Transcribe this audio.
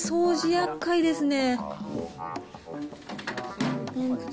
やっかいですね。